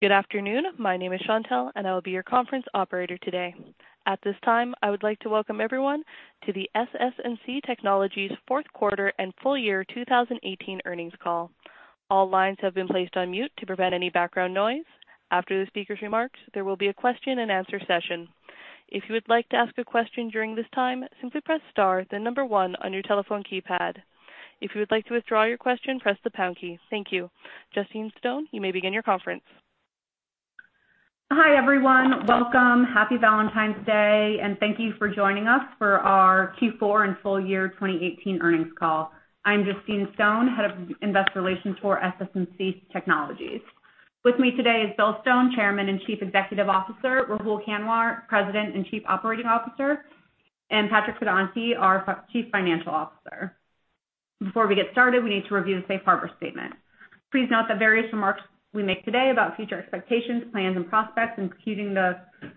Good afternoon. My name is Chantelle, and I will be your conference operator today. At this time, I would like to welcome everyone to the SS&C Technologies fourth quarter and full year 2018 earnings call. All lines have been placed on mute to prevent any background noise. After the speaker's remarks, there will be a question and answer session. If you would like to ask a question during this time, simply press star, then number 1 on your telephone keypad. If you would like to withdraw your question, press the pound key. Thank you. Justine Stone, you may begin your conference. Hi, everyone. Welcome. Happy Valentine's Day, and thank you for joining us for our Q4 and full year 2018 earnings call. I'm Justine Stone, head of investor relations for SS&C Technologies. With me today is Bill Stone, Chairman and Chief Executive Officer, Rahul Kanwar, President and Chief Operating Officer, and Patrick J. Pedonti, our Chief Financial Officer. Before we get started, we need to review the safe harbor statement. Please note that various remarks we make today about future expectations, plans, and prospects, including the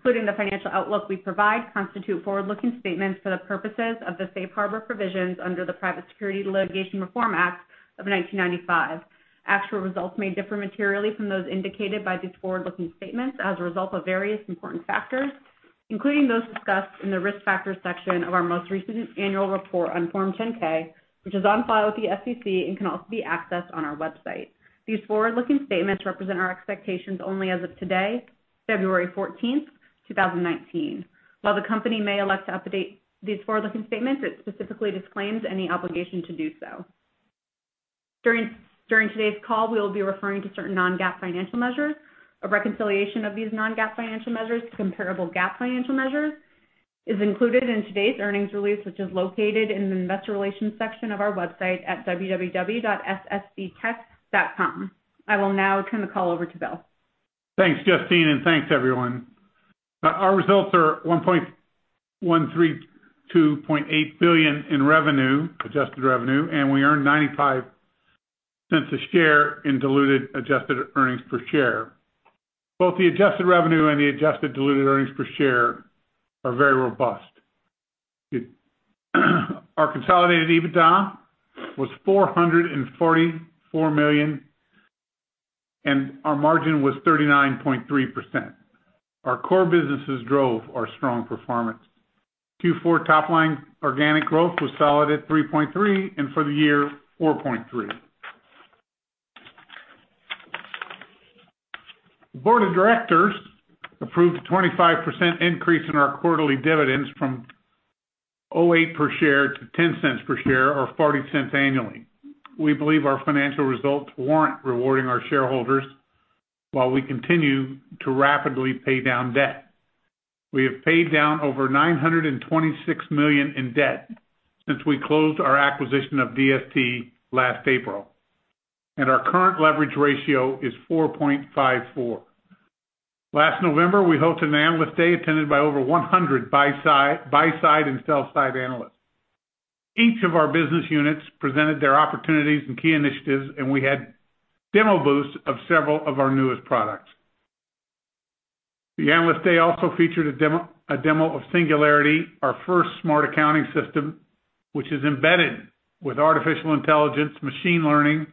financial outlook we provide, constitute forward-looking statements for the purposes of the safe harbor provisions under the Private Securities Litigation Reform Act of 1995. Actual results may differ materially from those indicated by these forward-looking statements as a result of various important factors, including those discussed in the Risk Factors section of our most recent annual report on Form 10-K, which is on file with the SEC and can also be accessed on our website. These forward-looking statements represent our expectations only as of today, February 14th, 2019. While the Company may elect to update these forward-looking statements, it specifically disclaims any obligation to do so. During today's call, we will be referring to certain non-GAAP financial measures. A reconciliation of these non-GAAP financial measures to comparable GAAP financial measures is included in today's earnings release, which is located in the Investor Relations section of our website at ssctech.com. I will now turn the call over to Bill. Thanks, Justine, and thanks everyone. Our results are $1,132.8 million in revenue, adjusted revenue, and we earned $0.95 a share in diluted adjusted earnings per share. Both the adjusted revenue and the adjusted diluted earnings per share are very robust. Our consolidated EBITDA was $444 million, and our margin was 39.3%. Our core businesses drove our strong performance. Q4 top-line organic growth was solid at 3.3%, and for the year, 4.3%. The board of directors approved a 25% increase in our quarterly dividends from $0.08 per share to $0.10 per share, or $0.40 annually. We believe our financial results warrant rewarding our shareholders while we continue to rapidly pay down debt. We have paid down over $926 million in debt since we closed our acquisition of DST last April, and our current leverage ratio is 4.54. Last November, we hosted an Analyst Day attended by over 100 buy-side and sell-side analysts. Each of our business units presented their opportunities and key initiatives, and we had demo booths of several of our newest products. The Analyst Day also featured a demo of Singularity, our first smart accounting system, which is embedded with artificial intelligence, machine learning,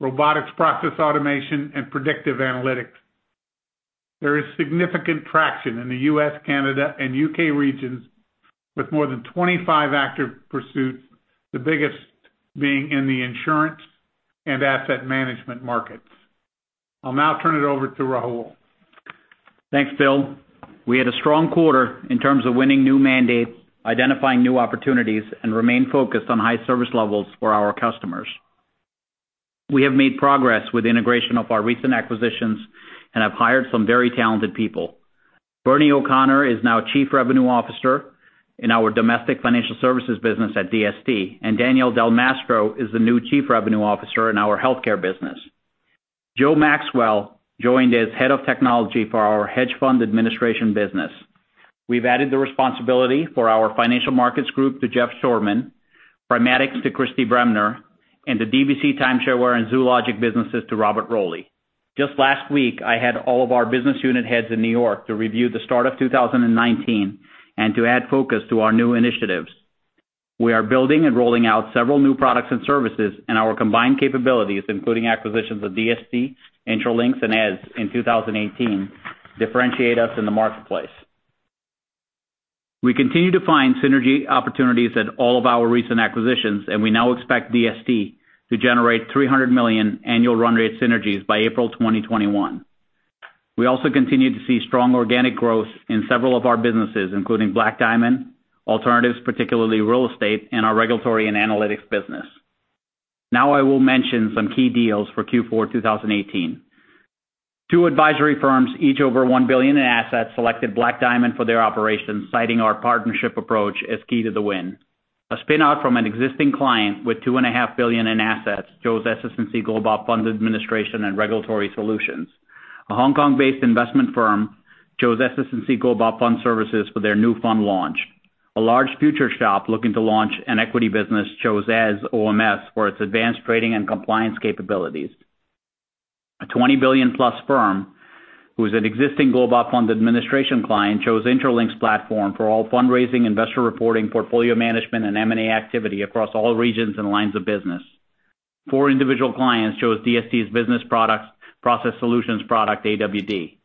robotics process automation, and predictive analytics. There is significant traction in the U.S., Canada, and U.K. regions with more than 25 active pursuits, the biggest being in the insurance and asset management markets. I'll now turn it over to Rahul. Thanks, Bill. We had a strong quarter in terms of winning new mandates, identifying new opportunities, and remain focused on high service levels for our customers. We have made progress with the integration of our recent acquisitions and have hired some very talented people. Bernie O'Connor is now Chief Revenue Officer in our domestic financial services business at DST, and Danielle Del Maschio is the new Chief Revenue Officer in our healthcare business. Joe Maxwell joined as Head of Technology for our hedge fund administration business. We've added the responsibility for our financial markets group to Jeff Shoreman, Primatics to Christy Bremner, and the DBC Timeshare and Zoologic businesses to Robert Rowley. Just last week, I had all of our business unit heads in New York to review the start of 2019 and to add focus to our new initiatives. We are building and rolling out several new products and services, and our combined capabilities, including acquisitions of DST, Intralinks, and Eze in 2018 differentiate us in the marketplace. We continue to find synergy opportunities at all of our recent acquisitions, and we now expect DST to generate $300 million annual run rate synergies by April 2021. We also continue to see strong organic growth in several of our businesses, including Black Diamond, alternatives, particularly real estate, and our regulatory and analytics business. Now I will mention some key deals for Q4 2018. Two advisory firms, each over $1 billion in assets, selected Black Diamond for their operations, citing our partnership approach as key to the win. A spin-out from an existing client with $2.5 billion in assets chose SS&C Global Fund Administration and Regulatory Solutions. A Hong Kong-based investment firm chose SS&C Global Fund Services for their new fund launch. A large futures shop looking to launch an equity business chose Eze OMS for its advanced trading and compliance capabilities. A $20 billion-plus firm, who's an existing global fund administration client, chose Intralinks platform for all fundraising, investor reporting, portfolio management, and M&A activity across all regions and lines of business. Four individual clients chose DST's business products, process solutions product, AWD.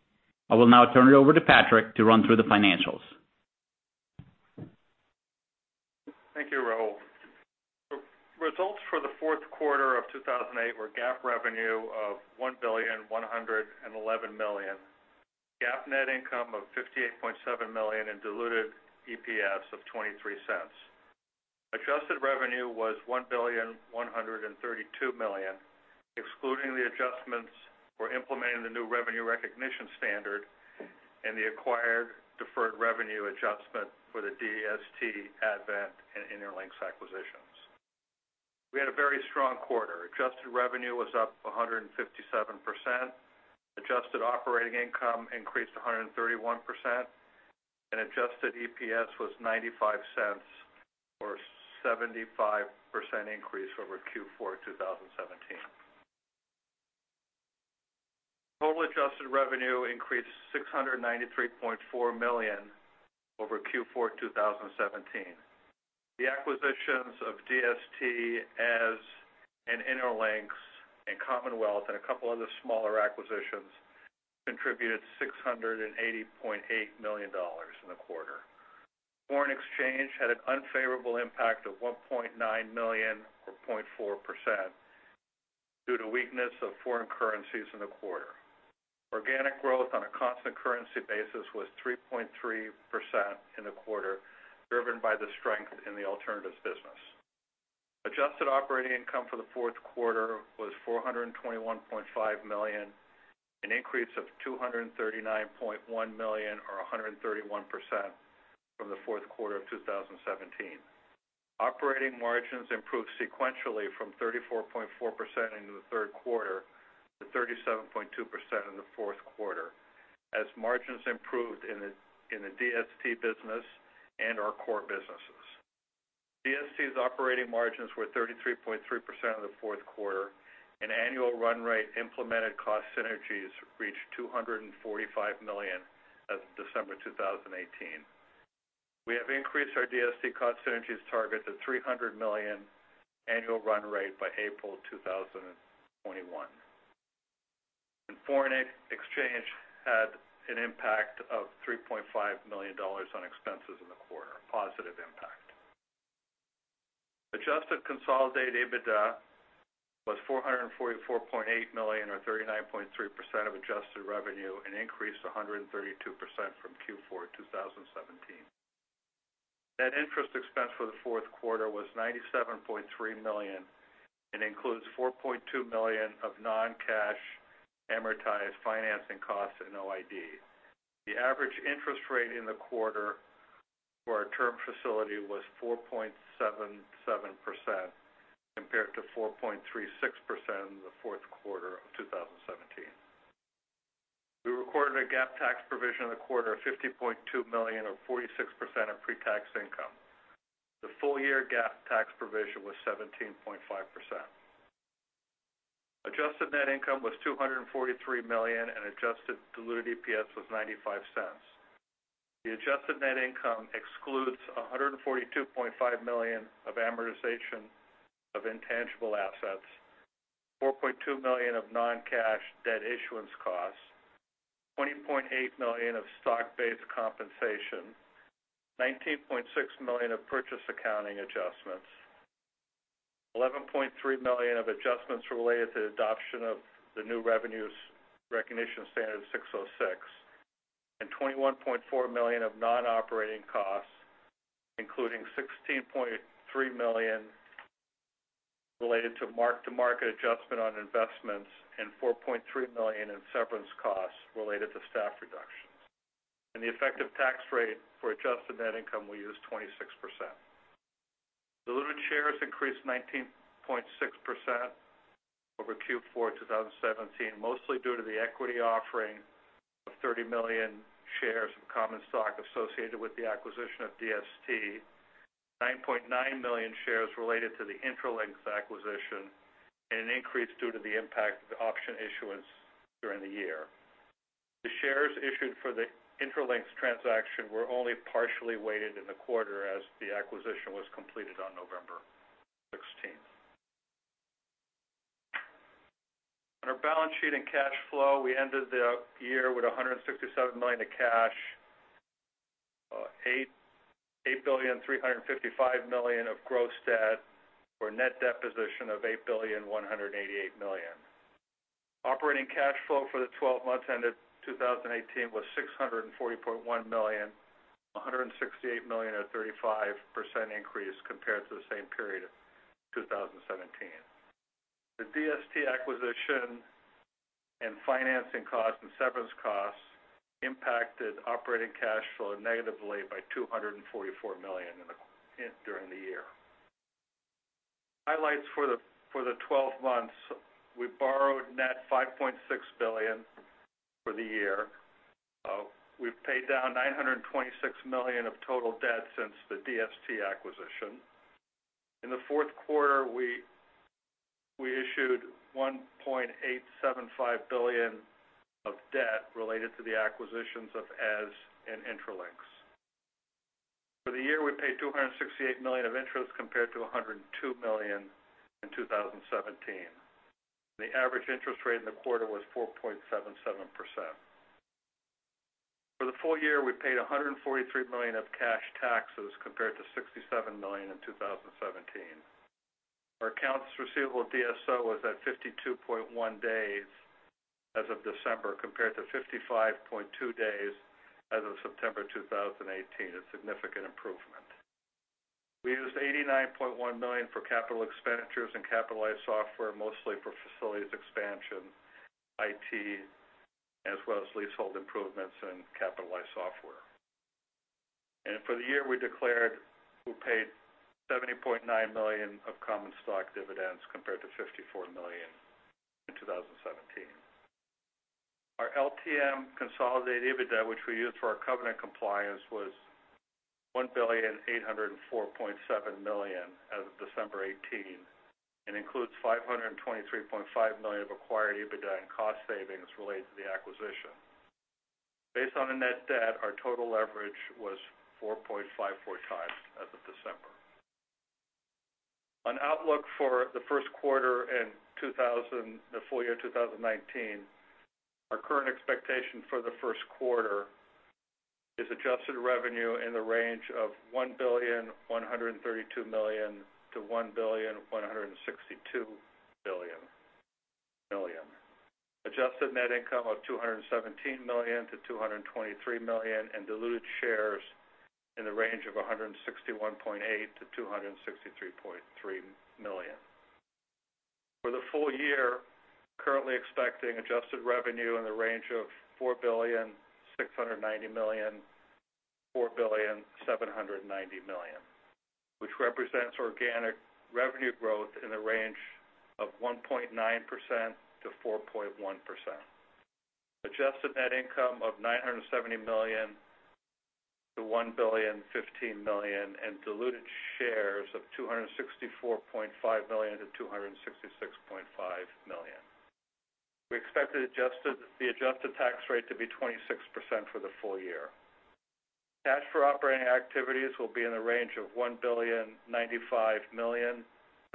I will now turn it over to Patrick to run through the financials. Thank you, Rahul. Results for the fourth quarter of 2018 were GAAP revenue of $1,111 million, GAAP net income of $58.7 million and diluted EPS of $0.23. Adjusted revenue was $1,132 million, excluding the adjustments for implementing the new revenue recognition standard and the acquired deferred revenue adjustment for the DST, Advent, and Intralinks acquisitions. We had a very strong quarter. Adjusted revenue was up 157%, adjusted operating income increased 131%, and adjusted EPS was $0.95 or 75% increase over Q4 2017. Total adjusted revenue increased $693.4 million over Q4 2017. The acquisitions of DST, Advent, and Intralinks, and Commonwealth, and a couple other smaller acquisitions contributed $680.8 million in the quarter. Foreign exchange had an unfavorable impact of $1.9 million or 0.4% due to weakness of foreign currencies in the quarter. Organic growth on a constant currency basis was 3.3% in the quarter, driven by the strength in the alternatives business. Adjusted operating income for the fourth quarter was $421.5 million, an increase of $239.1 million or 131% from the fourth quarter of 2017. Operating margins improved sequentially from 34.4% into the third quarter to 37.2% in the fourth quarter, as margins improved in the DST business and our core businesses. DST's operating margins were 33.3% of the fourth quarter, and annual run rate implemented cost synergies reached $245 million as of December 2018. We have increased our DST cost synergies target to $300 million annual run rate by April 2021. Foreign exchange had an impact of $3.5 million on expenses in the quarter, a positive impact. Adjusted consolidated EBITDA was $444.8 million or 39.3% of adjusted revenue, an increase of 132% from Q4 2017. Net interest expense for the fourth quarter was $97.3 million and includes $4.2 million of non-cash amortized financing costs and OID. The average interest rate in the quarter for our term facility was 4.77%, compared to 4.36% in the fourth quarter of 2017. We recorded a GAAP tax provision in the quarter of $50.2 million or 46% of pre-tax income. The full year GAAP tax provision was 17.5%. Adjusted net income was $243 million and adjusted diluted EPS was $0.95. The adjusted net income excludes $142.5 million of amortization of intangible assets, $4.2 million of non-cash debt issuance costs, $20.8 million of stock-based compensation, $19.6 million of purchase accounting adjustments, $11.3 million of adjustments related to adoption of the new revenue recognition standard ASC 606, and $21.4 million of non-operating costs, including $16.3 million related to mark-to-market adjustment on investments and $4.3 million in severance costs related to staff reductions. The effective tax rate for adjusted net income we used 26%. Diluted shares increased 19.6% over Q4 2017, mostly due to the equity offering of 30 million shares of common stock associated with the acquisition of DST, 9.9 million shares related to the Intralinks acquisition, and an increase due to the impact of the option issuance during the year. The shares issued for the Intralinks transaction were only partially weighted in the quarter as the acquisition was completed on November 16th. On our balance sheet and cash flow, we ended the year with $167 million of cash, $8,355 million of gross debt or net debt position of $8,188 million. Operating cash flow for the 12 months ended 2018 was $640.1 million, $168 million or 35% increase compared to the same period of 2017. The DST acquisition and financing costs and severance costs impacted operating cash flow negatively by $244 million during the year. Highlights for the 12 months, we borrowed net $5.6 billion for the year. We paid down $926 million of total debt since the DST acquisition. In the fourth quarter, we issued $1.875 billion of debt related to the acquisitions of AS and Intralinks. For the year, we paid $268 million of interest compared to $102 million in 2017. The average interest rate in the quarter was 4.77%. For the full year, we paid $143 million of cash taxes compared to $67 million in 2017. Our accounts receivable DSO was at 52.1 days as of December, compared to 55.2 days as of September 2018, a significant improvement. We used $89.1 million for capital expenditures and capitalized software, mostly for facilities expansion, IT, as well as leasehold improvements and capitalized software. For the year, we declared we paid $70.9 million of common stock dividends compared to $54 million in 2017. Our LTM consolidated EBITDA, which we used for our covenant compliance, was $1,804.7 million as of December 2018, and includes $523.5 million of acquired EBITDA and cost savings related to the acquisition. Based on the net debt, our total leverage was 4.54 times as of December. Our outlook for the first quarter and the full year 2019, our current expectation for the first quarter is adjusted revenue in the range of $1.132 billion-$1.162 billion. Adjusted net income of $217 million-$223 million, and diluted shares in the range of 261.8 million-263.3 million. For the full year, currently expecting adjusted revenue in the range of $4.690 billion-$4.790 billion, which represents organic revenue growth in the range of 1.9%-4.1%. Adjusted net income of $970 million-$1.015 billion, and diluted shares of 264.5 million-266.5 million. We expect the adjusted tax rate to be 26% for the full year. Cash for operating activities will be in the range of $1.095 billion-$1.135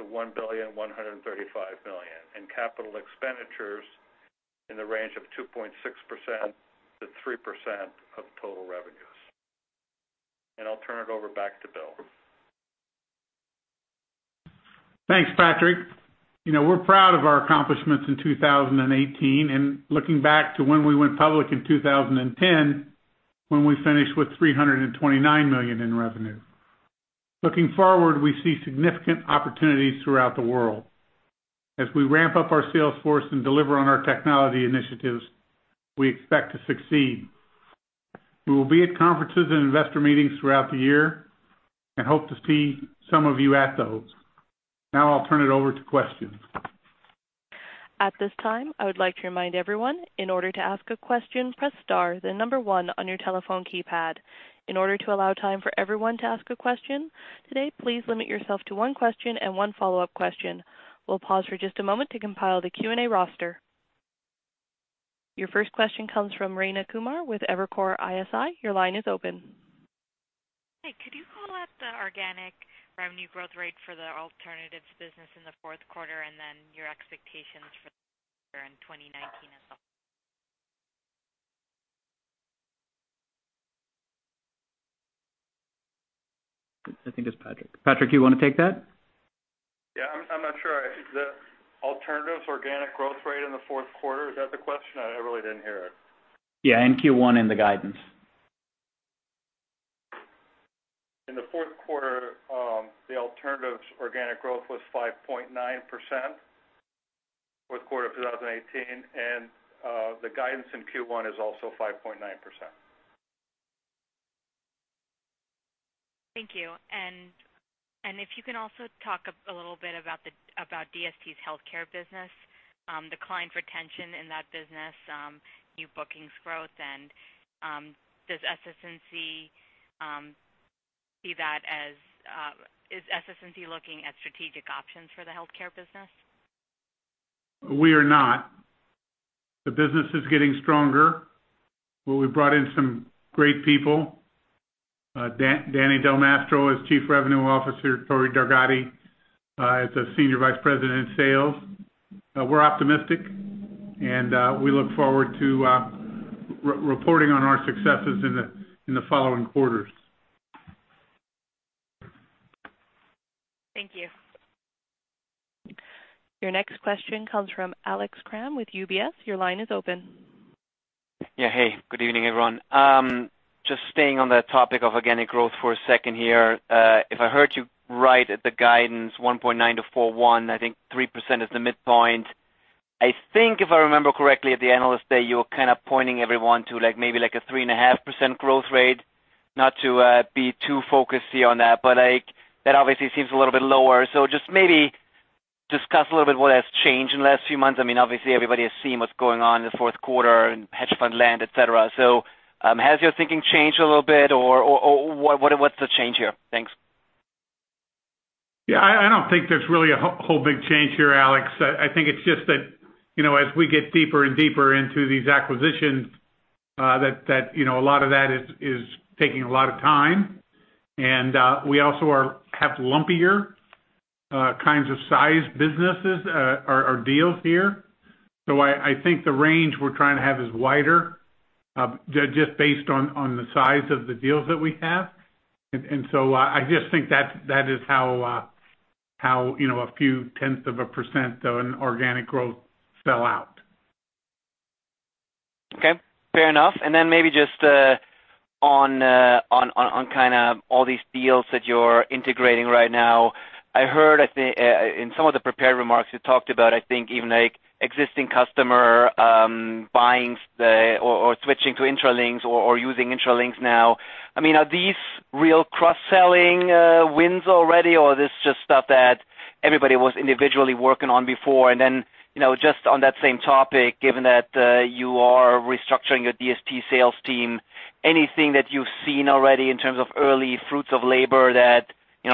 billion, and capital expenditures in the range of 2.6%-3% of total revenues. I'll turn it over back to Bill. Thanks, Patrick. We're proud of our accomplishments in 2018, looking back to when we went public in 2010, when we finished with $329 million in revenue. Looking forward, we see significant opportunities throughout the world. As we ramp up our sales force and deliver on our technology initiatives, we expect to succeed. We will be at conferences and investor meetings throughout the year and hope to see some of you at those. I'll turn it over to questions. At this time, I would like to remind everyone, in order to ask a question, press star, then number one on your telephone keypad. In order to allow time for everyone to ask a question today, please limit yourself to one question and one follow-up question. We'll pause for just a moment to compile the Q&A roster. Your first question comes from Rayna Kumar with Evercore ISI. Your line is open. Hey, could you call out the organic revenue growth rate for the alternatives business in the fourth quarter, and then your expectations for the year in 2019 as well? I think that's Patrick. Patrick, do you want to take that? Yeah, I'm not sure. The alternatives organic growth rate in the fourth quarter, is that the question? I really didn't hear it. Yeah, in Q1 in the guidance. In the fourth quarter, the alternatives organic growth was 5.9%, fourth quarter of 2018. The guidance in Q1 is also 5.9%. Thank you. If you can also talk a little bit about DST's healthcare business, the client retention in that business, new bookings growth, and is SS&C looking at strategic options for the healthcare business? We are not. The business is getting stronger. We brought in some great people. Danny Del Mastro is Chief Revenue Officer, Tori Dargahi is a Senior Vice President in sales. We're optimistic, and we look forward to reporting on our successes in the following quarters. Thank you. Your next question comes from Alex Kramm with UBS. Your line is open. Yeah, hey. Good evening, everyone. Just staying on the topic of organic growth for a second here. If I heard you right at the guidance, 1.9%-4.1%, I think 3% is the midpoint. I think if I remember correctly at the Analyst Day, you were kind of pointing everyone to maybe a 3.5% growth rate. Not to be too focused on that obviously seems a little bit lower. Just maybe discuss a little bit what has changed in the last few months. Obviously, everybody has seen what's going on in the fourth quarter in hedge fund land, et cetera. Has your thinking changed a little bit, or what's the change here? Thanks. Yeah, I don't think there's really a whole big change here, Alex. I think it's just that as we get deeper and deeper into these acquisitions, that a lot of that is taking a lot of time, and we also have lumpier kinds of size businesses or deals here. I think the range we're trying to have is wider, just based on the size of the deals that we have. I just think that is how a few tenths of a percent of an organic growth fell out. Okay. Fair enough. Maybe just on kind of all these deals that you're integrating right now, I heard, I think in some of the prepared remarks, you talked about, I think even like existing customer buying or switching to Intralinks or using Intralinks now. Are these real cross-selling wins already, or are this just stuff that everybody was individually working on before? Just on that same topic, given that you are restructuring your DST sales team, anything that you've seen already in terms of early fruits of labor that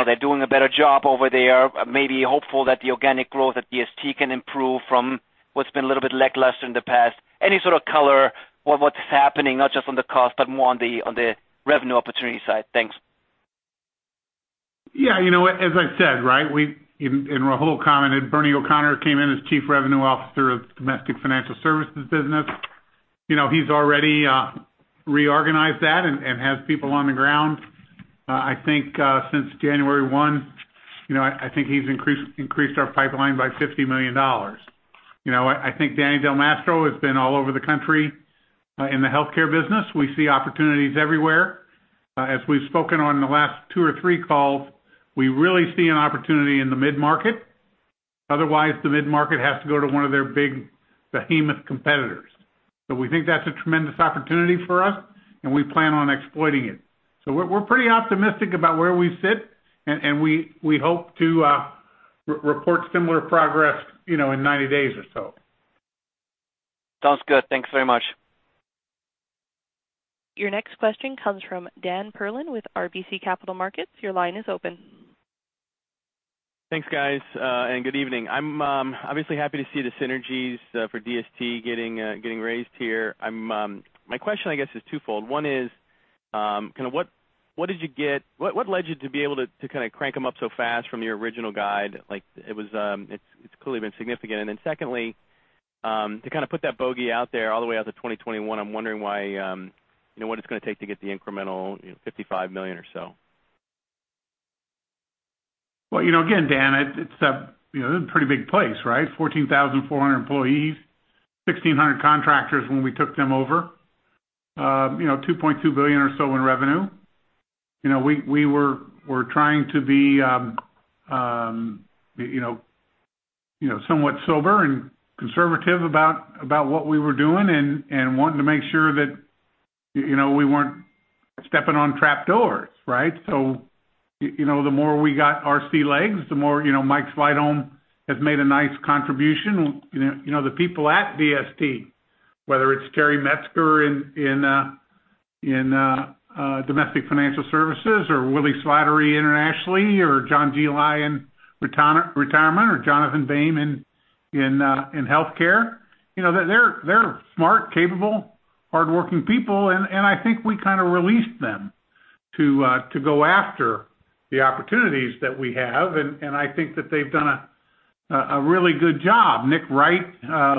they're doing a better job over there? Maybe hopeful that the organic growth at DST can improve from what's been a little bit lackluster in the past. Any sort of color on what's happening, not just on the cost, but more on the revenue opportunity side? Thanks. Yeah. You know what? As I said, right, Rahul commented, Bernie O'Connor came in as Chief Revenue Officer of domestic financial services business. He's already reorganized that and has people on the ground. I think since January 1, I think he's increased our pipeline by $50 million. I think Danny Del Mastro has been all over the country in the healthcare business. We see opportunities everywhere. As we've spoken on the last 2 or 3 calls, we really see an opportunity in the mid-market. Otherwise, the mid-market has to go to one of their big behemoth competitors. We think that's a tremendous opportunity for us, and we plan on exploiting it. We're pretty optimistic about where we sit, and we hope to report similar progress in 90 days or so. Sounds good. Thanks very much. Your next question comes from Dan Perlin with RBC Capital Markets. Your line is open. Thanks, guys, and good evening. I'm obviously happy to see the synergies for DST getting raised here. My question, I guess, is twofold. One is, what led you to be able to kind of crank them up so fast from your original guide? It's clearly been significant. Secondly, to kind of put that bogey out there all the way out to 2021, I'm wondering what it's going to take to get the incremental $55 million or so. Well, again, Dan, it's a pretty big place, right? 14,400 employees, 1,600 contractors when we took them over. $2.2 billion or so in revenue. We're trying to be somewhat sober and conservative about what we were doing and wanting to make sure that we weren't stepping on trap doors, right? The more we got our sea legs, the more Mike Sleightholme has made a nice contribution. The people at DST, whether it's Terry Metzger in domestic financial services or Willie Slattery internationally, or John Geli in retirement, or Jonathan Boehm in healthcare, they're smart, capable, hardworking people, and I think we kind of released them to go after the opportunities that we have, and I think that they've done a really good job. Nick Wright,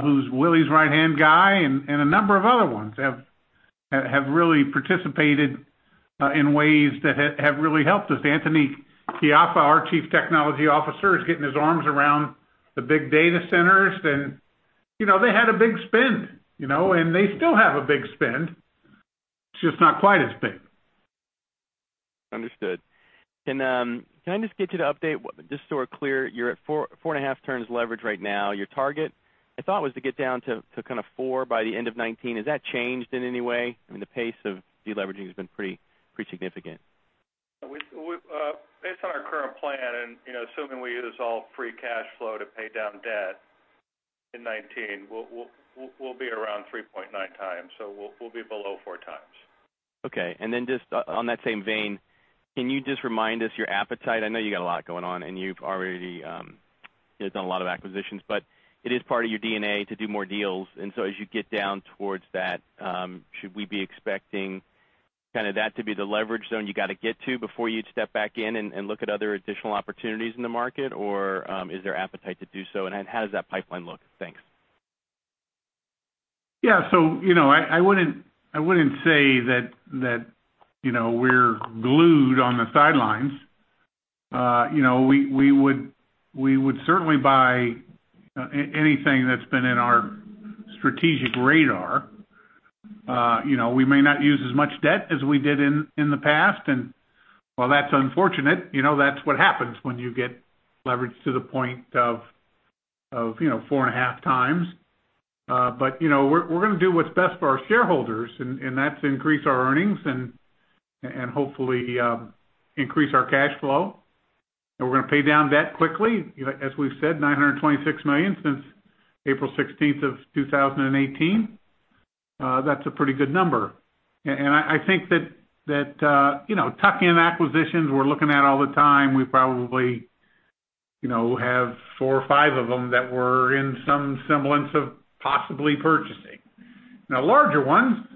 who's Willie's right-hand guy, and a number of other ones have really participated in ways that have really helped us. Anthony Caiafa, our chief technology officer, is getting his arms around the big data centers. They had a big spend, and they still have a big spend, just not quite as big. Understood. Can I just get you to update, just so we're clear, you're at four and a half turns leverage right now. Your target, I thought, was to get down to kind of four by the end of 2019. Has that changed in any way? I mean, the pace of deleveraging has been pretty significant. Based on our current plan and assuming we use all free cash flow to pay down debt in 2019, we'll be around 3.9 times, so we'll be below 4 times. Okay. Just on that same vein, can you just remind us your appetite? I know you got a lot going on, and you've already done a lot of acquisitions, but it is part of your DNA to do more deals. As you get down towards that, should we be expecting kind of that to be the leverage zone you got to get to before you'd step back in and look at other additional opportunities in the market, or is there appetite to do so, and how does that pipeline look? Thanks. Yeah. I wouldn't say that we're glued on the sidelines. We would certainly buy anything that's been in our strategic radar. We may not use as much debt as we did in the past, and while that's unfortunate, that's what happens when you get leverage to the point of 4.5 times. We're going to do what's best for our shareholders, and that's increase our earnings and hopefully increase our cash flow. We're going to pay down debt quickly. As we've said, $926 million since April 16, 2018. That's a pretty good number. I think that tuck-in acquisitions, we're looking at all the time, we probably have four or five of them that we're in some semblance of possibly purchasing. Now, larger ones,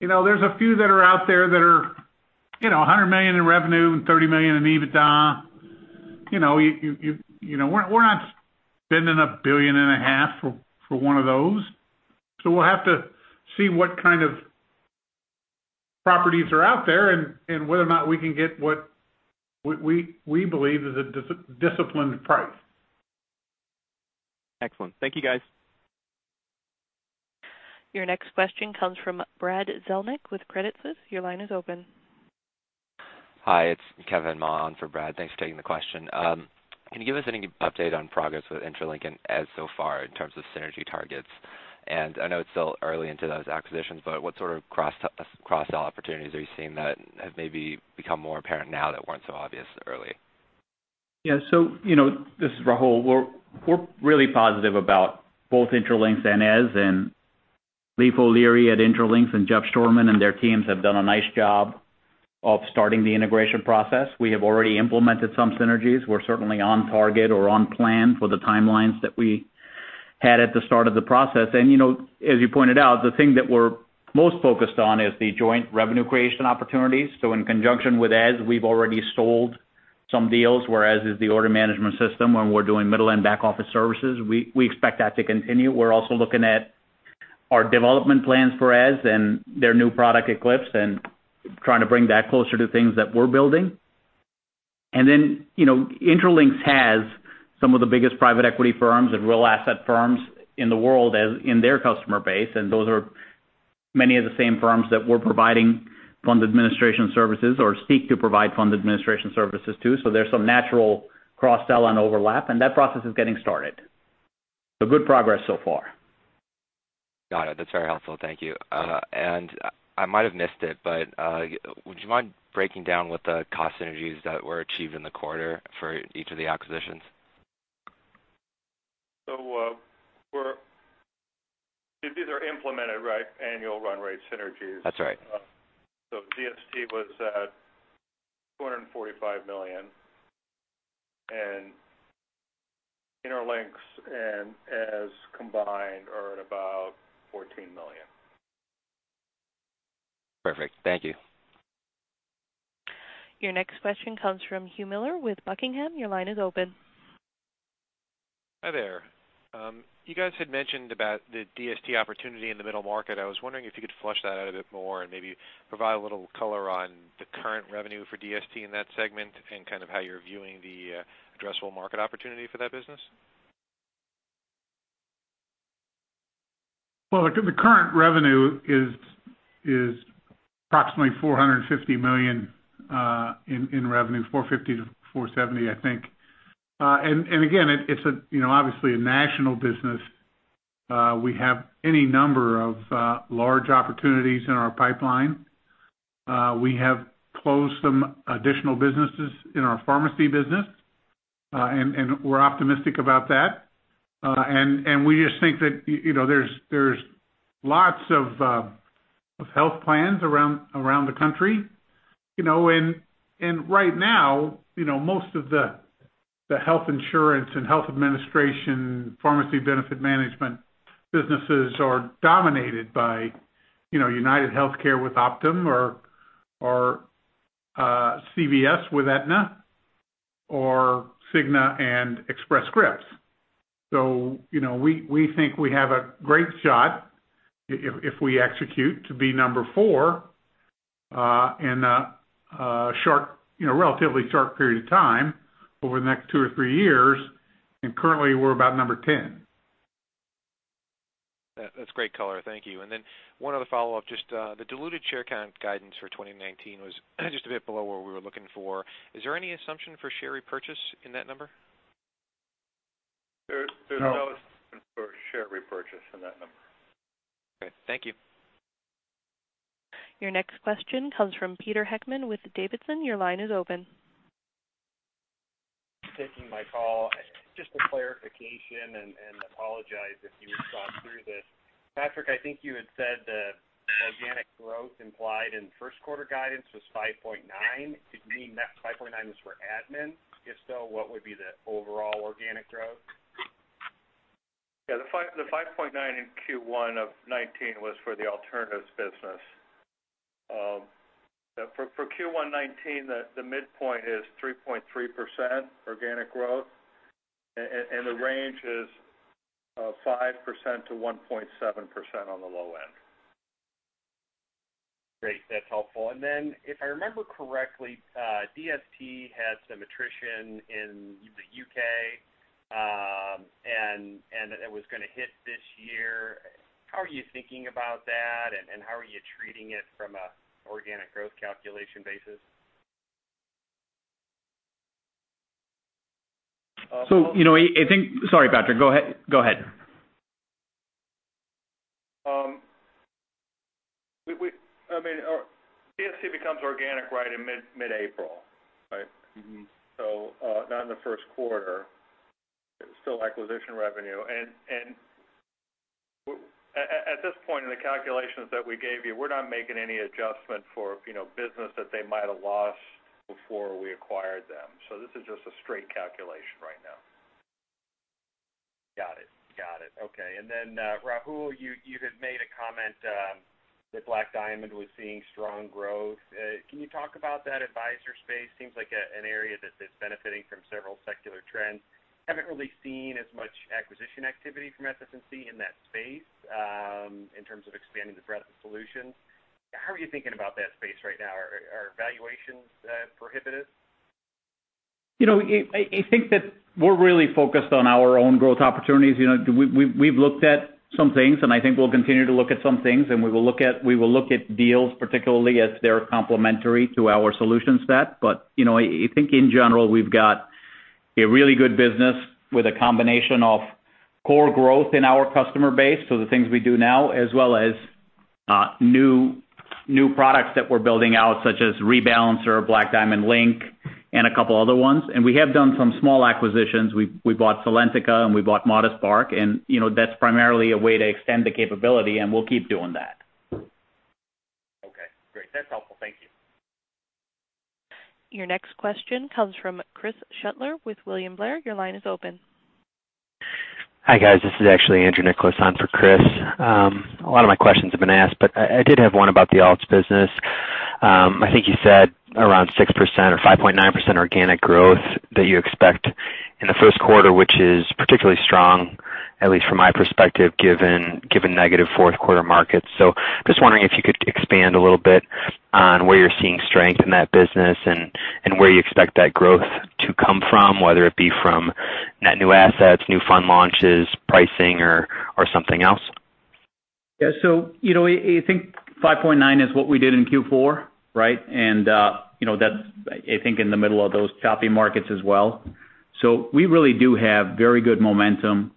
there's a few that are out there that are $100 million in revenue and $30 million in EBITDA. We're not spending $1 billion and a half for one of those. We'll have to see what kind of properties are out there and whether or not we can get what we believe is a disciplined price. Excellent. Thank you, guys. Your next question comes from Brad Zelnick with Credit Suisse. Your line is open. Hi, it's Kevin Mahon for Brad. Thanks for taking the question. Can you give us any update on progress with Intralinks and Eze so far in terms of synergy targets? I know it's still early into those acquisitions, but what sort of cross-sell opportunities are you seeing that have maybe become more apparent now that weren't so obvious early? Yeah. This is Rahul. We're really positive about both Intralinks and Eze. Lee O'Leary at Intralinks and Jeff Stourton and their teams have done a nice job of starting the integration process. We have already implemented some synergies. We're certainly on target or on plan for the timelines that we had at the start of the process. As you pointed out, the thing that we're most focused on is the joint revenue creation opportunities. In conjunction with Eze, we've already sold some deals where Eze is the order management system and we're doing middle and back office services. We expect that to continue. We're also looking at our development plans for Eze and their new product, Eclipse, and trying to bring that closer to things that we're building. Intralinks has some of the biggest private equity firms and real asset firms in the world in their customer base, and those are many of the same firms that we're providing fund administration services or seek to provide fund administration services to. There's some natural cross-sell and overlap, and that process is getting started. Good progress so far. Got it. That's very helpful. Thank you. I might have missed it, but would you mind breaking down what the cost synergies that were achieved in the quarter for each of the acquisitions? These are implemented, right? Annual run rate synergies. That's right. DST was at $245 million, and Intralinks and Eze combined are at about $14 million. Perfect. Thank you. Your next question comes from Hugh Miller with Buckingham. Your line is open. Hi there. You guys had mentioned about the DST opportunity in the middle market. I was wondering if you could flesh that out a bit more and maybe provide a little color on the current revenue for DST in that segment and kind of how you're viewing the addressable market opportunity for that business. Well, the current revenue is approximately $450 million in revenue, $450 to $470, I think. Again, it's obviously a national business. We have any number of large opportunities in our pipeline. We have closed some additional businesses in our pharmacy business. We're optimistic about that. We just think that there's lots of health plans around the country. Right now, most of the health insurance and health administration, pharmacy benefit management businesses are dominated by UnitedHealthcare with Optum or CVS with Aetna or Cigna and Express Scripts. We think we have a great shot, if we execute, to be number four in a relatively short period of time over the next two or three years, and currently we're about number 10. That's great color. Thank you. Then one other follow-up, just the diluted share count guidance for 2019 was just a bit below what we were looking for. Is there any assumption for share repurchase in that number? There's no assumption- No for share repurchase in that number. Great. Thank you. Your next question comes from Pete Heckmann with D.A. Davidson. Your line is open. Thanks for taking my call. Just a clarification, apologize if you've gone through this. Patrick, I think you had said the organic growth implied in first quarter guidance was 5.9%. Did you mean that 5.9% was for admin? If so, what would be the overall organic growth? The 5.9% in Q1 2019 was for the alternatives business. For Q1 2019, the midpoint is 3.3% organic growth, the range is 5%-1.7% on the low end. Great. That's helpful. Then if I remember correctly, DST had some attrition in the U.K., and it was going to hit this year. How are you thinking about that, and how are you treating it from an organic growth calculation basis? I think Sorry, Patrick. Go ahead. I mean, DST becomes organic right in mid-April, right? Not in the first quarter. Still acquisition revenue. At this point in the calculations that we gave you, we're not making any adjustment for business that they might have lost before we acquired them. This is just a straight calculation right now. Got it. Okay. Rahul, you had made a comment that Black Diamond was seeing strong growth. Can you talk about that advisor space? Seems like an area that is benefiting from several secular trends. Haven't really seen as much acquisition activity from SS&C in that space, in terms of expanding the breadth of solutions. How are you thinking about that space right now? Are valuations prohibitive? I think that we're really focused on our own growth opportunities. We've looked at some things, and I think we'll continue to look at some things, and we will look at deals, particularly if they're complementary to our solution set. I think in general, we've got a really good business with a combination of core growth in our customer base, so the things we do now, as well as new products that we're building out, such as Rebalancer, Black Diamond Link, and a couple other ones. We have done some small acquisitions. We bought Salentica and we bought ModusBox, and that's primarily a way to extend the capability, and we'll keep doing that. Okay, great. That's helpful. Thank you. Your next question comes from Chris Shutler with William Blair. Your line is open. Hi, guys. This is actually Andrew Nicholas on for Chris. A lot of my questions have been asked, but I did have one about the alts business. I think you said around 6% or 5.9% organic growth that you expect in the first quarter, which is particularly strong, at least from my perspective, given negative fourth quarter markets. Just wondering if you could expand a little bit on where you're seeing strength in that business and where you expect that growth to come from, whether it be from net new assets, new fund launches, pricing or something else. Yeah. I think 5.9 is what we did in Q4, right? That's, I think, in the middle of those choppy markets as well. We really do have very good momentum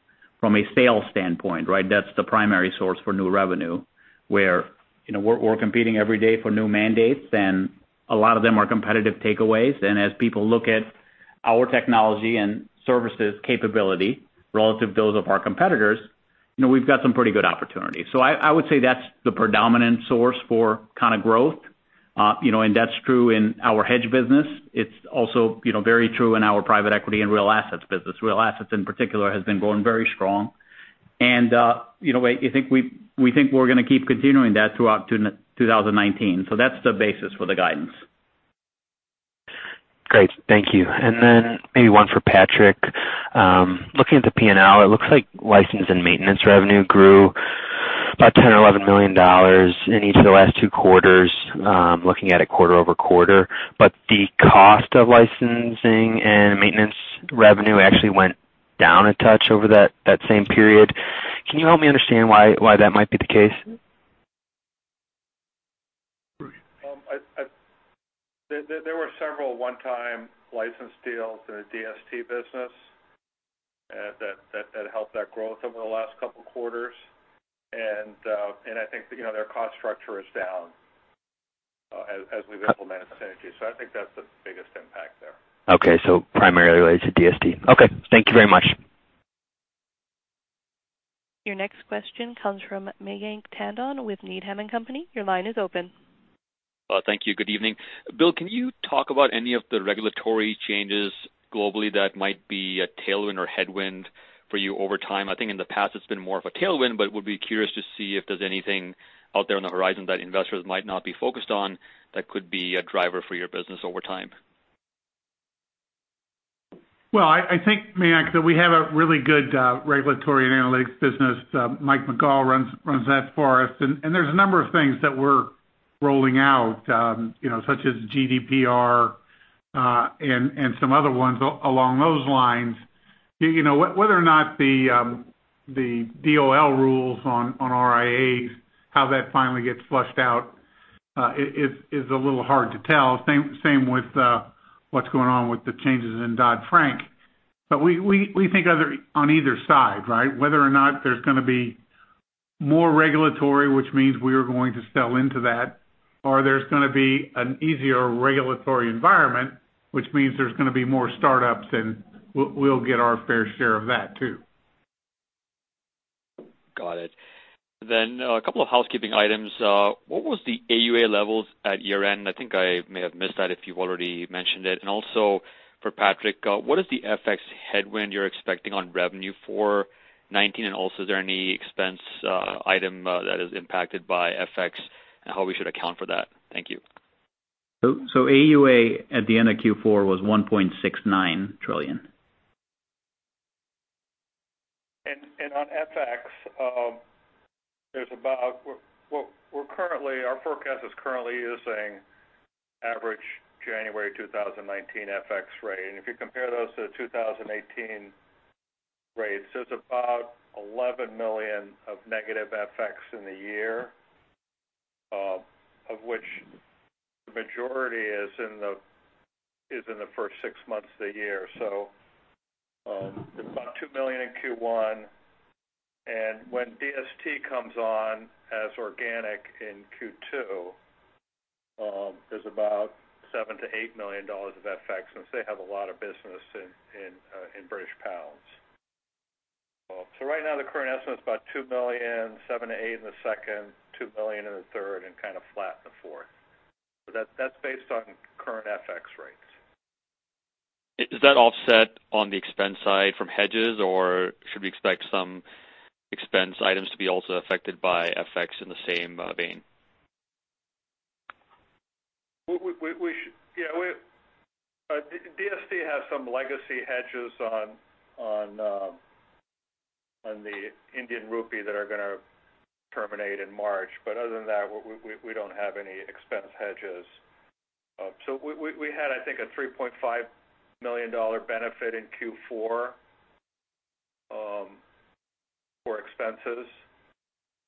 from a sales standpoint, right? That's the primary source for new revenue, where we're competing every day for new mandates, and a lot of them are competitive takeaways. As people look at our technology and services capability relative to those of our competitors, we've got some pretty good opportunities. I would say that's the predominant source for growth. That's true in our hedge business. It's also very true in our private equity and real assets business. Real assets, in particular, has been growing very strong. We think we're going to keep continuing that throughout 2019. That's the basis for the guidance. Great. Thank you. And then maybe one for Patrick. Looking at the P&L, it looks like license and maintenance revenue grew about $10 million or $11 million in each of the last two quarters, looking at it quarter-over-quarter. The cost of licensing and maintenance revenue actually went down a touch over that same period. Can you help me understand why that might be the case? There were several one-time license deals in the DST business that helped that growth over the last couple of quarters. I think their cost structure is down as we've implemented synergies. I think that's the biggest impact there. Okay, primarily related to DST. Okay. Thank you very much. Your next question comes from Mayank Tandon with Needham & Company. Your line is open. Thank you. Good evening. Bill, can you talk about any of the regulatory changes globally that might be a tailwind or headwind for you over time? I think in the past it's been more of a tailwind, would be curious to see if there's anything out there on the horizon that investors might not be focused on that could be a driver for your business over time. I think, Mayank, that we have a really good regulatory analytics business. Mike Megalli runs that for us. There's a number of things that we're rolling out, such as GDPR, and some other ones along those lines. Whether or not the DOL rules on RIAs, how that finally gets flushed out, is a little hard to tell. Same with what's going on with the changes in Dodd-Frank. We think on either side, right? Whether or not there's going to be more regulatory, which means we are going to sell into that, or there's going to be an easier regulatory environment, which means there's going to be more startups, and we'll get our fair share of that, too. Got it. A couple of housekeeping items. What was the AUA levels at year-end? I think I may have missed that if you've already mentioned it. Also for Patrick, what is the FX headwind you're expecting on revenue for 2019? Also, is there any expense item that is impacted by FX and how we should account for that? Thank you. AUA at the end of Q4 was $1.69 trillion. On FX, our forecast is currently using average January 2019 FX rate. If you compare those to the 2018 rates, there's about $11 million of negative FX in the year, of which the majority is in the first six months of the year. About $2 million in Q1. When DST comes on as organic in Q2. There's about $7 million-$8 million of FX since they have a lot of business in GBP. Right now the current estimate is about $2 million, $7 million-$8 million in the second, $2 million in the third, and kind of flat in the fourth. That's based on current FX rates. Is that offset on the expense side from hedges or should we expect some expense items to be also affected by FX in the same vein? DST has some legacy hedges on the Indian rupee that are going to terminate in March. Other than that, we don't have any expense hedges. We had, I think, a $3.5 million benefit in Q4 for expenses,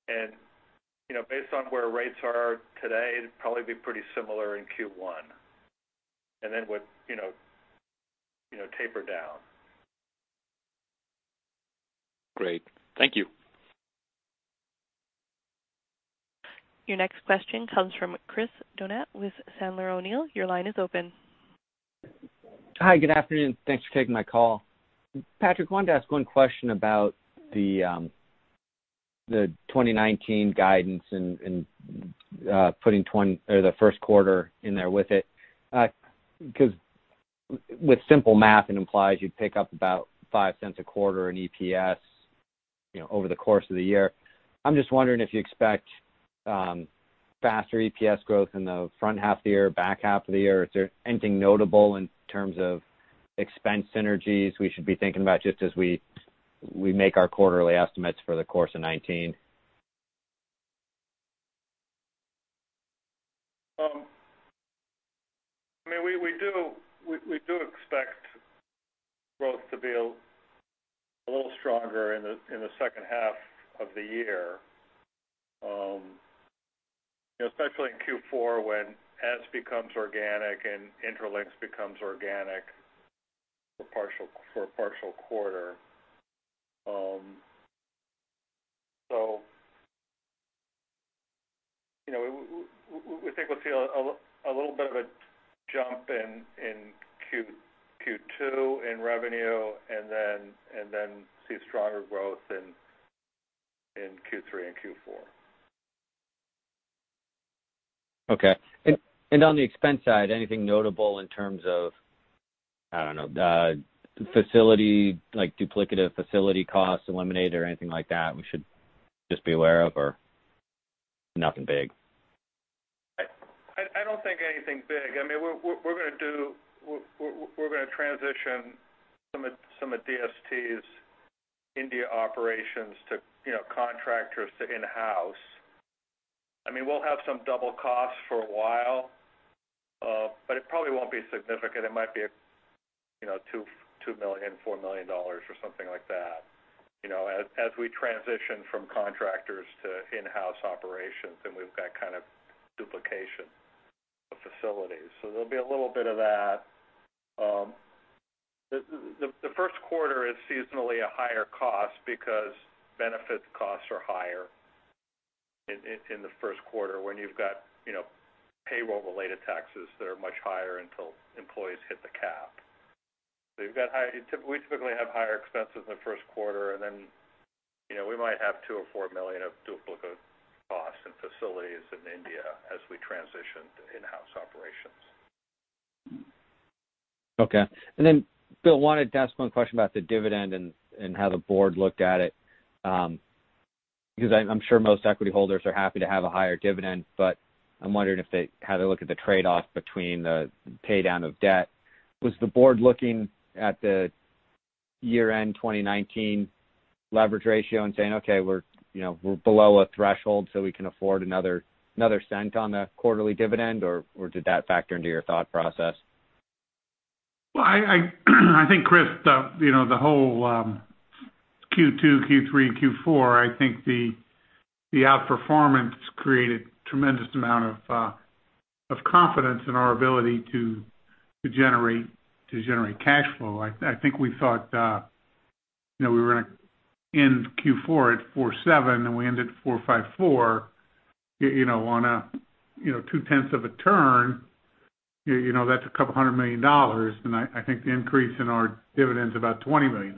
and based on where rates are today, it'd probably be pretty similar in Q1. Then would taper down. Great. Thank you. Your next question comes from Chris Donat with Sandler O'Neill. Your line is open. Hi. Good afternoon. Thanks for taking my call. Patrick, wanted to ask one question about the 2019 guidance and putting the first quarter in there with it. With simple math, it implies you'd pick up about $0.05 a quarter in EPS over the course of the year. I'm just wondering if you expect faster EPS growth in the front half of the year, back half of the year. Is there anything notable in terms of expense synergies we should be thinking about just as we make our quarterly estimates for the course of 2019? We do expect growth to be a little stronger in the second half of the year. Especially in Q4 when Eze becomes organic and Intralinks becomes organic for a partial quarter. We think we'll see a little bit of a jump in Q2 in revenue and see stronger growth in Q3 and Q4. Okay. On the expense side, anything notable in terms of, I don't know, duplicative facility costs eliminated or anything like that we should just be aware of, or nothing big? I don't think anything big. We're going to transition some of DST's India operations contractors to in-house. We'll have some double costs for a while, but it probably won't be significant. It might be $2 million, $4 million, or something like that. As we transition from contractors to in-house operations, we've got kind of duplication of facilities. There'll be a little bit of that. The first quarter is seasonally a higher cost because benefits costs are higher in the first quarter when you've got payroll-related taxes that are much higher until employees hit the cap. We typically have higher expenses in the first quarter, and we might have $2 million or $4 million of duplicate costs in facilities in India as we transition to in-house operations. Okay. Bill, wanted to ask one question about the dividend and how the board looked at it. I'm sure most equity holders are happy to have a higher dividend, but I'm wondering how they look at the trade-off between the pay down of debt. Was the board looking at the year-end 2019 leverage ratio and saying, "Okay, we're below a threshold, so we can afford another $0.01 on the quarterly dividend?" Did that factor into your thought process? Well, I think, Chris, the whole Q2, Q3, and Q4, I think the outperformance created tremendous amount of confidence in our ability to generate cash flow. I think we thought we were going to end Q4 at 4.7, we ended at 4.54 on a two-tenths of a turn. That's a couple hundred million dollars, I think the increase in our dividend's about $20 million.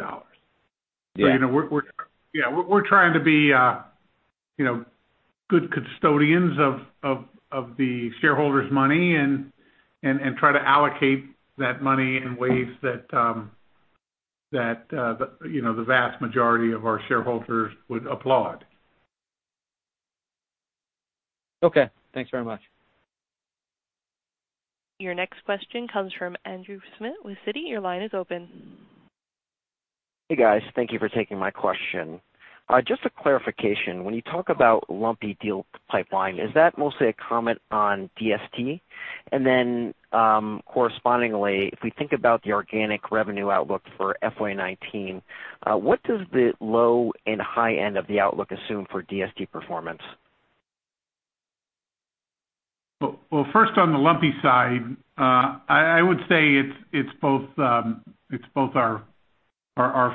Yeah. We're trying to be good custodians of the shareholders' money try to allocate that money in ways that the vast majority of our shareholders would applaud. Okay. Thanks very much. Your next question comes from Andrew Smith with Citi. Your line is open. Hey, guys. Thank you for taking my question. Just a clarification. When you talk about lumpy deal pipeline, is that mostly a comment on DST? Correspondingly, if we think about the organic revenue outlook for FY 2019, what does the low and high end of the outlook assume for DST performance? Well, first on the lumpy side, I would say it's both our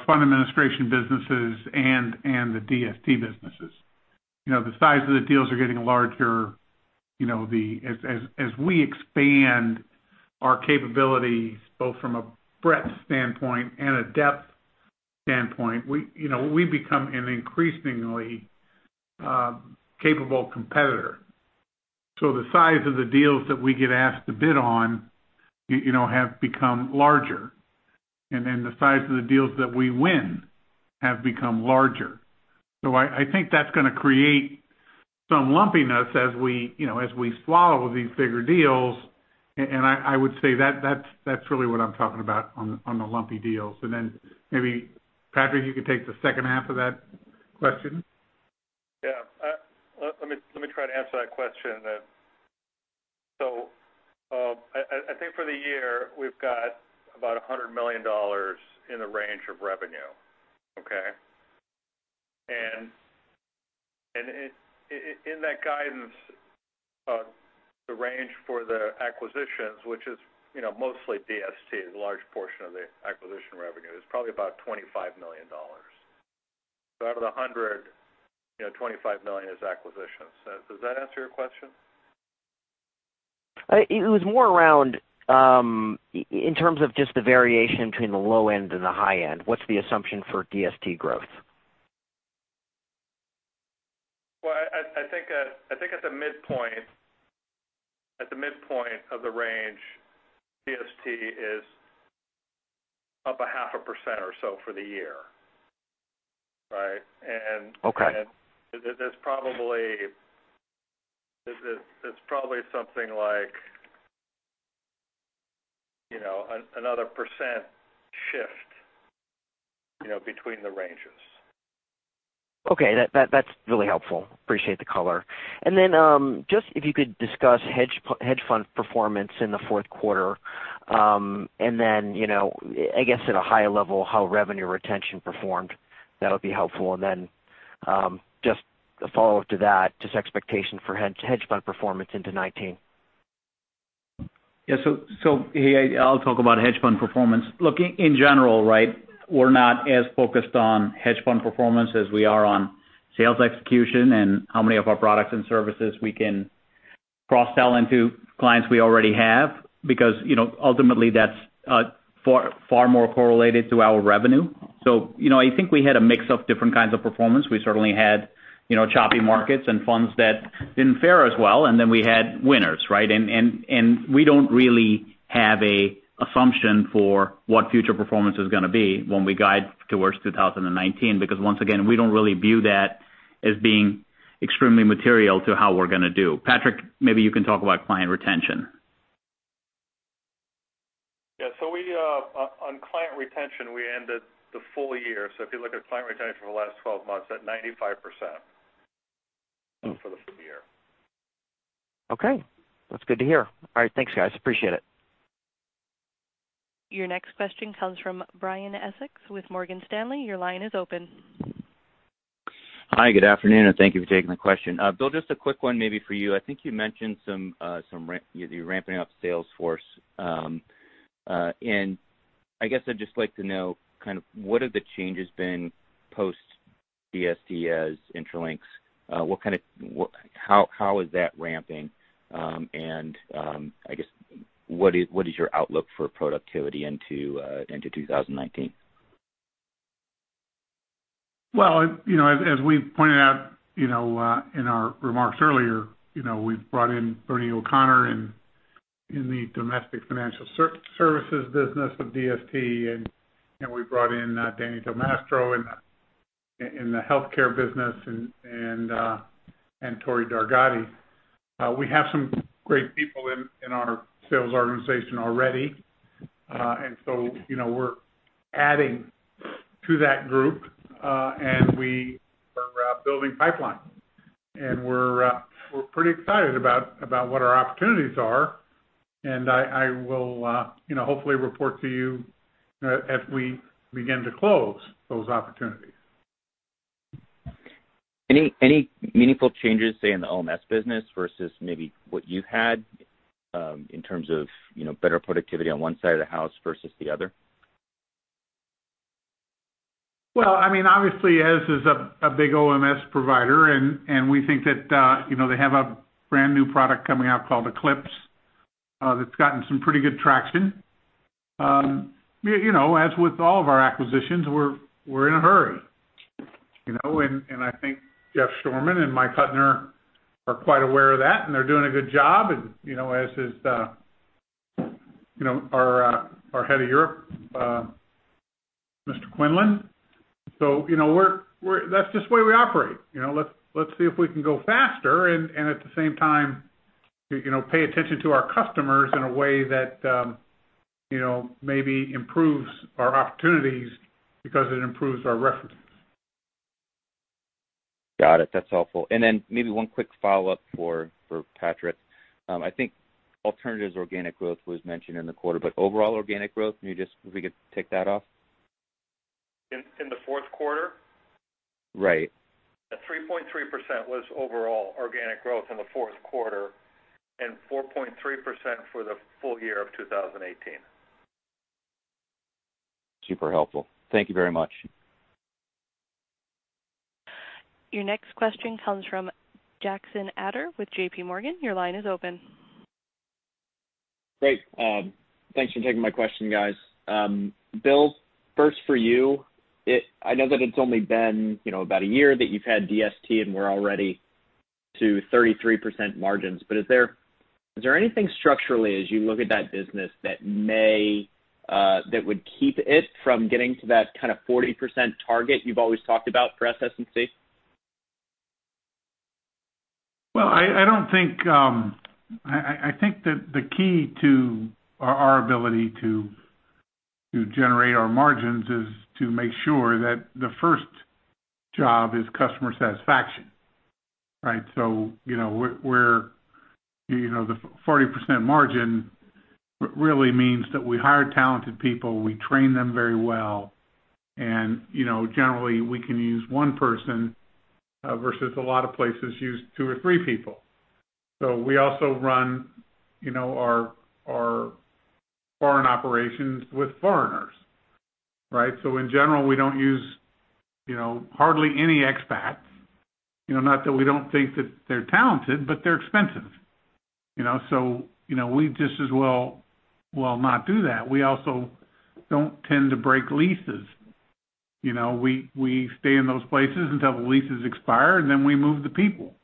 fund administration businesses and the DST businesses. The size of the deals are getting larger. As we expand our capabilities, both from a breadth standpoint and a depth standpoint, we become an increasingly capable competitor. The size of the deals that we get asked to bid on have become larger. The size of the deals that we win have become larger. I think that's going to create some lumpiness as we swallow these bigger deals. I would say that's really what I'm talking about on the lumpy deals. Maybe Patrick, you could take the second half of that question. Yeah. Let me try to answer that question then. I think for the year, we've got about $100 million in the range of revenue. Okay? In that guidance, the range for the acquisitions, which is mostly DST, is a large portion of the acquisition revenue. It's probably about $25 million. Out of the 100, $25 million is acquisitions. Does that answer your question? It was more around, in terms of just the variation between the low end and the high end, what's the assumption for DST growth? Well, I think at the midpoint of the range, DST is up a half a % or so for the year. Right? Okay. It's probably something like another % shift between the ranges. Okay. That's really helpful. Appreciate the color. Just if you could discuss hedge fund performance in the fourth quarter, and then, I guess at a high level, how revenue retention performed. That'll be helpful. Just a follow-up to that, just expectation for hedge fund performance into 2019. Yeah. I'll talk about hedge fund performance. Look, in general, right, we're not as focused on hedge fund performance as we are on sales execution and how many of our products and services we can cross-sell into clients we already have. Because ultimately that's far more correlated to our revenue. I think we had a mix of different kinds of performance. We certainly had choppy markets and funds that didn't fare as well. We had winners, right? We don't really have an assumption for what future performance is going to be when we guide towards 2019 because once again, we don't really view that as being extremely material to how we're going to do. Patrick, maybe you can talk about client retention. Yeah. On client retention, we ended the full year. If you look at client retention for the last 12 months, at 95% for the full year. Okay. That's good to hear. All right, thanks guys. Appreciate it. Your next question comes from Brian Essex with Morgan Stanley. Your line is open. Hi, good afternoon, and thank you for taking my question. Bill, just a quick one maybe for you. I think you mentioned you're ramping up sales force. I guess I'd just like to know what are the changes been post DST as Intralinks? How is that ramping? I guess, what is your outlook for productivity into 2019? Well, as we pointed out in our remarks earlier, we've brought in Bernie O'Connor in the domestic financial services business of DST, and we brought in Danny Del Mastro in the healthcare business, and Tori Dargahi. We have some great people in our sales organization already. We're adding to that group, and we are building pipeline. We're pretty excited about what our opportunities are, and I will hopefully report to you as we begin to close those opportunities. Any meaningful changes, say, in the OMS business versus maybe what you had, in terms of better productivity on one side of the house versus the other? Well, obviously, Eze is a big OMS provider, and we think that they have a brand new product coming out called Eze Eclipse, that's gotten some pretty good traction. As with all of our acquisitions, we're in a hurry. I think Jeff Shoreman and Mike Hutner are quite aware of that, and they're doing a good job. As is our head of Europe, Mr. Quinlan. That's just the way we operate. Let's see if we can go faster and at the same time, pay attention to our customers in a way that maybe improves our opportunities because it improves our references. Got it. That's helpful. Maybe one quick follow-up for Patrick. I think alternatives organic growth was mentioned in the quarter, overall organic growth, if we could tick that off? In the fourth quarter? Right The 3.3% was overall organic growth in the fourth quarter, 4.3% for the full year of 2018. Super helpful. Thank you very much. Your next question comes from Jackson Ader with J.P. Morgan. Your line is open. Great. Thanks for taking my question, guys. Bill, first for you, I know that it's only been about a year that you've had DST and we're already to 33% margins. Is there anything structurally as you look at that business that would keep it from getting to that 40% target you've always talked about for SS&C? Well, I think that the key to our ability to generate our margins is to make sure that the first job is customer satisfaction, right? The 40% margin really means that we hire talented people, we train them very well, and generally, we can use one person, versus a lot of places use two or three people. We also run our foreign operations with foreigners, right? In general, we don't use hardly any expats. Not that we don't think that they're talented, but they're expensive. We just as well not do that. We also don't tend to break leases. We stay in those places until the leases expire, and then we move the people.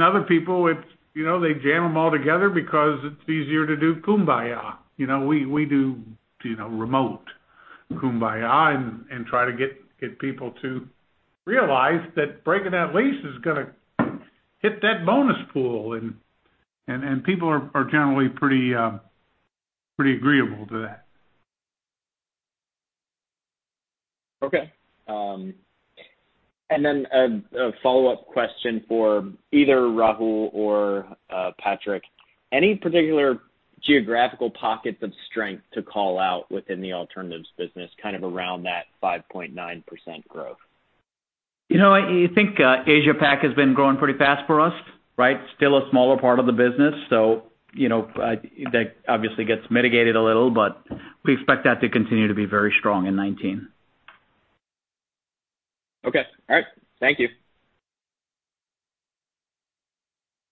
Other people, they jam them all together because it's easier to do kumbaya. We do remote kumbaya and try to get people to realize that breaking that lease is going to hit that bonus pool, people are generally pretty agreeable to that. Okay. Then a follow-up question for either Rahul or Patrick. Any particular geographical pockets of strength to call out within the alternatives business, kind of around that 5.9% growth? I think Asia Pac has been growing pretty fast for us, right? Still a smaller part of the business, so that obviously gets mitigated a little, but we expect that to continue to be very strong in 2019. Okay. All right. Thank you.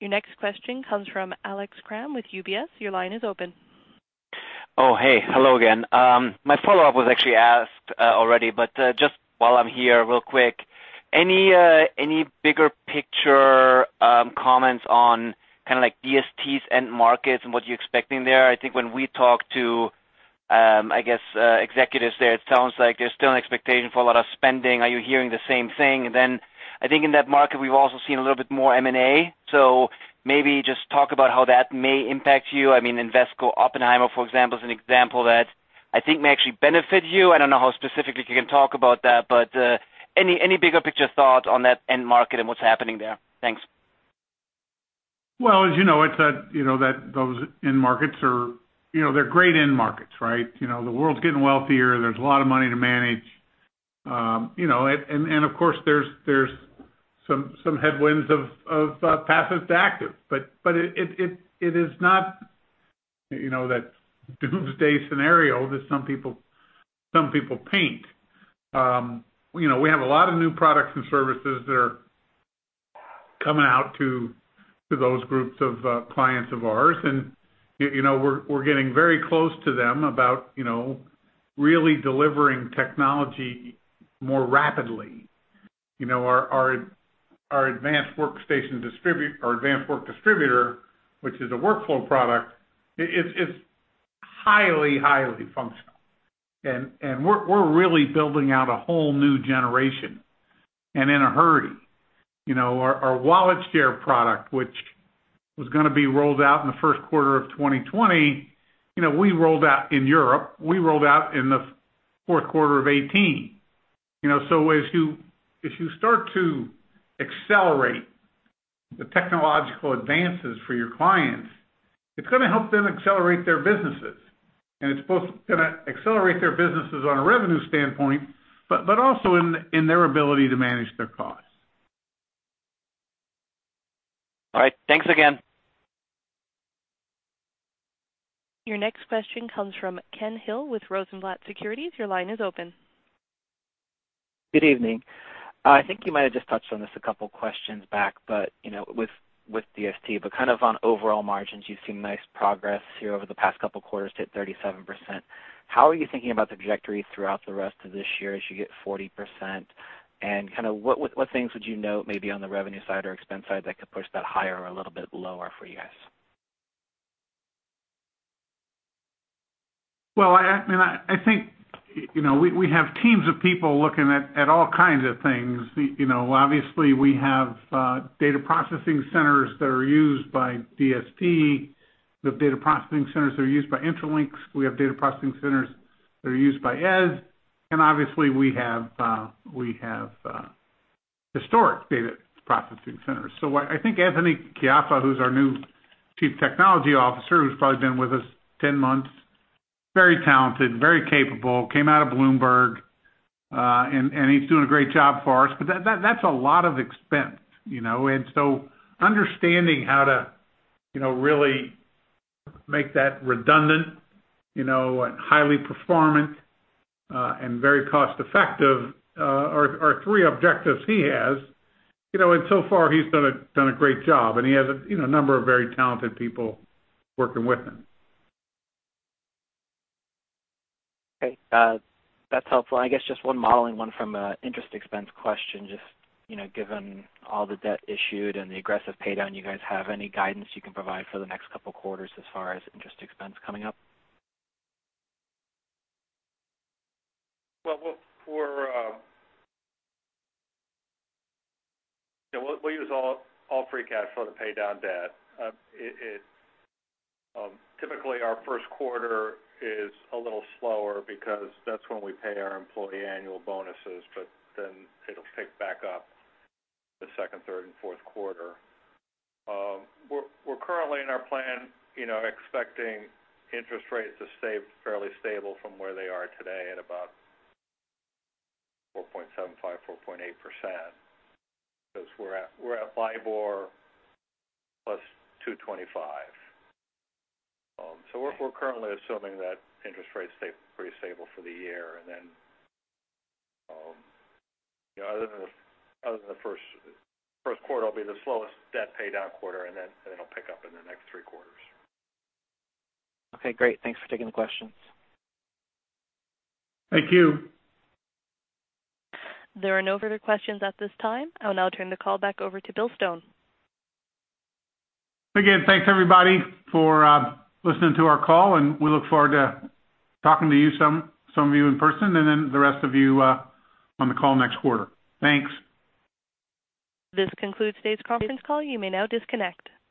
Your next question comes from Alex Kramm with UBS. Your line is open. Oh, hey. Hello again. My follow-up was actually asked already, but just while I'm here real quick, any bigger picture comments on kind of like DST's end markets and what you're expecting there? I think when we talk to, I guess, executives there, it sounds like there's still an expectation for a lot of spending. Are you hearing the same thing? I think in that market, we've also seen a little bit more M&A. Maybe just talk about how that may impact you. Invesco Oppenheimer, for example, is an example that I think may actually benefit you. I don't know how specifically you can talk about that, but any bigger picture thought on that end market and what's happening there? Thanks. Well, as you know, those end markets are great end markets, right? The world's getting wealthier. There's a lot of money to manage. Of course, there's some headwinds of passive to active. It is not that doomsday scenario that some people paint. We have a lot of new products and services that are coming out to those groups of clients of ours, and we're getting very close to them about really delivering technology more rapidly. Our Advanced Work Distributor, which is a workflow product, it's highly functional. We're really building out a whole new generation, and in a hurry. Our WalletShare product, which was going to be rolled out in the first quarter of 2020, we rolled out in Europe. We rolled out in the fourth quarter of 2018. As you start to accelerate the technological advances for your clients, it's going to help them accelerate their businesses. It's going to accelerate their businesses on a revenue standpoint, but also in their ability to manage their costs. All right. Thanks again. Your next question comes from Kenneth Hill with Rosenblatt Securities. Your line is open. Good evening. I think you might have just touched on this a couple of questions back, but with DST, but kind of on overall margins, you've seen nice progress here over the past couple of quarters to hit 37%. How are you thinking about the trajectory throughout the rest of this year as you get 40%? What things would you note maybe on the revenue side or expense side that could push that higher or a little bit lower for you guys? Well, I think we have teams of people looking at all kinds of things. Obviously, we have data processing centers that are used by DST. We have data processing centers that are used by Intralinks. We have data processing centers that are used by. [inaudible] Obviously, we have historic data processing centers. I think Anthony Caiafa, who's our new Chief Technology Officer, who's probably been with us 10 months, very talented, very capable, came out of Bloomberg, and he's doing a great job for us. That's a lot of expense. Understanding how to really make that redundant, and highly performant, and very cost-effective are three objectives he has. So far, he's done a great job, and he has a number of very talented people working with him. Okay. That's helpful. I guess just one modeling, one from an interest expense question. Just given all the debt issued and the aggressive pay-down you guys have, any guidance you can provide for the next couple quarters as far as interest expense coming up? We'll use all free cash flow to pay down debt. Typically, our first quarter is a little slower because that's when we pay our employee annual bonuses, it'll pick back up the second, third, and fourth quarter. We're currently in our plan expecting interest rates to stay fairly stable from where they are today at about 4.75%-4.8%, because we're at LIBOR plus 225. We're currently assuming that interest rates stay pretty stable for the year. Other than the first quarter will be the slowest debt pay-down quarter, it'll pick up in the next three quarters. Okay, great. Thanks for taking the questions. Thank you. There are no further questions at this time. I will now turn the call back over to Bill Stone. Again, thanks everybody for listening to our call, and we look forward to talking to some of you in person, and then the rest of you on the call next quarter. Thanks. This concludes today's conference call. You may now disconnect.